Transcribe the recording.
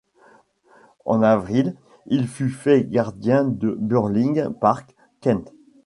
En avril, il fut fait gardien de Burling Park, Kent.